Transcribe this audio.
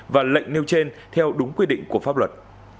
và lệnh nêu trên theo đúng quy định của pháp luật